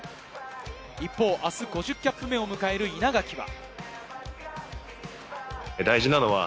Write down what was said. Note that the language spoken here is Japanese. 一方、あす５０キャップ目を迎える稲垣は。